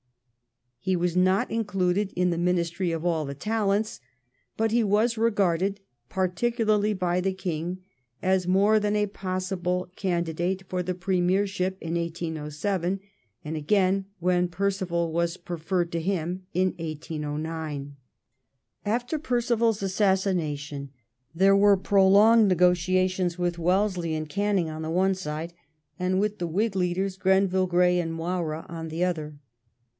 He was not included in the ministry of ''All the Talents," but he was regarded — particularly by the King — as more than a possible candidate for the Premiership in 1807, and again, when Perceval was preferred to him, in 1809. After Perceval's assassination there were prolonged negotiations with Wellesley and Canning on the one side, and with the Whig leaders, Grenville, Grey, and Moira, on the other.